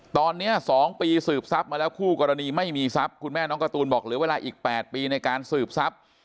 ตอนนี้๒ปีสืบทรัพย์มาแล้วคู่กรณีไม่มีทรัพย์คุณแม่น้องการ์ตูนบอกเหลือเวลาอีก๘ปีในการสืบทรัพย์